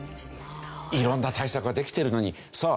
色んな対策はできているのにさあ